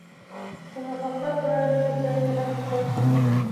د محاکات په اړه نورې څېړنې هم پکار دي